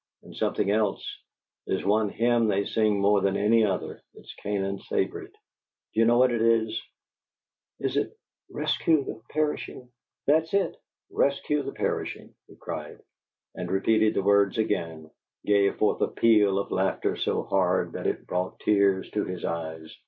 And something else: there's one hymn they sing more than any other; it's Canaan's favorite. Do you know what it is?" "Is it 'Rescue the Perishing'?" "That's it. 'Rescue the Perishing'!" he cried, and repeating the words again, gave forth a peal of laughter so hearty that it brought tears to his eyes.